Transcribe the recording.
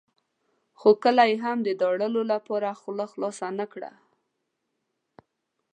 خو کله یې هم د داړلو لپاره خوله خلاصه نه کړه.